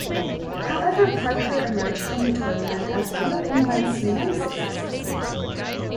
However Parker emerged from the tournament as one of England's many successes.